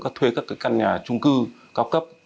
các thuê các căn nhà chung cư cao cấp